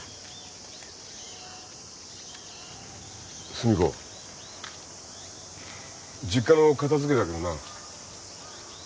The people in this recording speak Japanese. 寿美子実家の片付けだけどな。